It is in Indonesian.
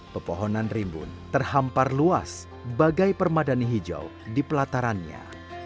pepohonan rimbun terhampar luas bagai permadani hijau di pelatarannya